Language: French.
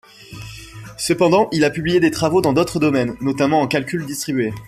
Cependant il a publié des travaux dans d'autres domaines, notamment en calcul distribué.